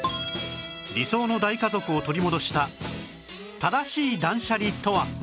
理想の大家族を取り戻した正しい断捨離とは？